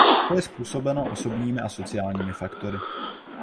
To je způsobeno osobními a sociálními faktory.